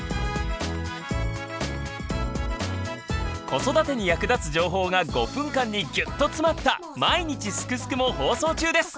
子育てに役立つ情報が５分間にギュッと詰まった「まいにちスクスク」も放送中です。